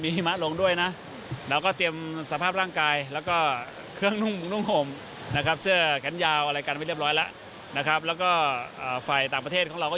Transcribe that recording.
ไม่เรียบร้อยแล้วนะครับแล้วก็อ่าไฟต่างประเทศของเราก็